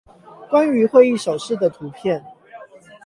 關於會議手勢的圖片